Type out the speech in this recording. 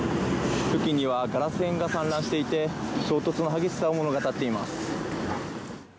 付近にはガラス片が散乱していて衝突の激しさを物語っています。